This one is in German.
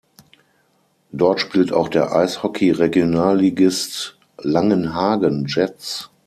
Dort spielt auch der Eishockey-Regionalligist Langenhagen Jets.